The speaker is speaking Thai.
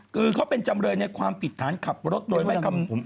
คือข้อเป็นจำเลยในความผิดคล้ายขับรถโดยไม่